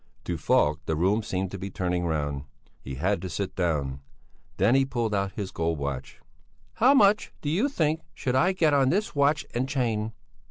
To Falk the room seemed to be turning round. He had to sit down. Then he pulled out his gold watch. "How much, do you think, should I get on this watch and chain?"